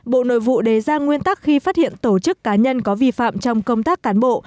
bộ nội vụ đề ra nguyên tắc khi phát hiện tổ chức cá nhân có vi phạm trong công tác cán bộ